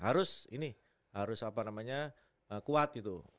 harus ini harus apa namanya kuat gitu